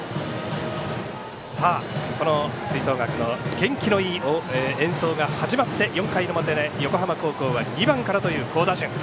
この吹奏楽の元気のいい演奏が始まって４回の表で横浜高校は２番からという好打順。